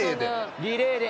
リレーで。